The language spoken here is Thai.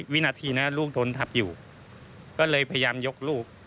วินาทีนั้นลูกโดนทับอยู่ก็เลยพยายามยกลูก